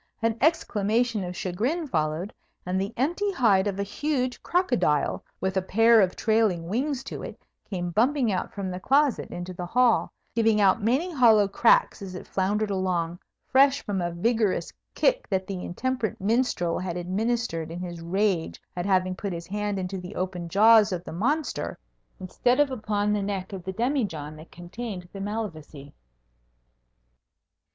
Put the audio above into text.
An exclamation of chagrin followed, and the empty hide of a huge crocodile, with a pair of trailing wings to it, came bumping out from the closet into the hall, giving out many hollow cracks as it floundered along, fresh from a vigourous kick that the intemperate minstrel had administered in his rage at having put his hand into the open jaws of the monster instead of upon the neck of the demijohn that contained the Malvoisie.